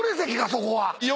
そこは。